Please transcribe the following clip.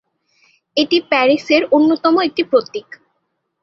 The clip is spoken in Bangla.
এটি প্যারিসের অন্যতম একটি প্রতীক।